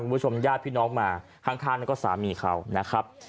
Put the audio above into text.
คุณผู้ชมญาติพี่น้องมาข้างนั่นก็สามีเขานะครับ